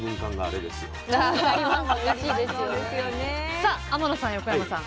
さあ天野さん横山さん